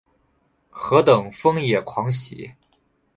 何等疯野狂喜？